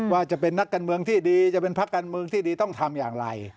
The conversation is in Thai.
ว่าจะเป็นนักการเมืองที่ดีจะเป็นพักการเมืองที่ดีต้องทำอย่างไร